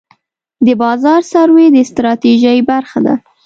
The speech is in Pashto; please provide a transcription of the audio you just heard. د بازار سروې د ستراتیژۍ برخه ده.